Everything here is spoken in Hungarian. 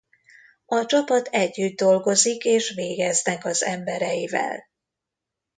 A csapat együtt dolgozik és végeznek az embereivel.